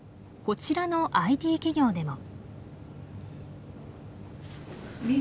こちらのＩＴ企業でも。